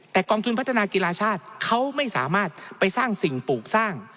แต่กองทุนพัฒนากีฬาชาติเขาไม่สามารถไปสร้างสิ่งปลูกสร้าง